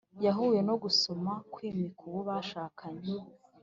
yahuye no gusomana kwimika uwo bashakanye